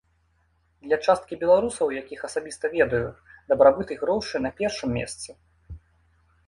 Для часткі беларусаў, якіх асабіста ведаю, дабрабыт і грошы на першым месцы.